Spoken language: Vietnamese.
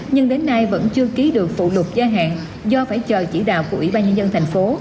nhưng đến nay vẫn chưa ký được phụ lục gia hạn do phải chờ chỉ đạo của ủy ban nhân dân thành phố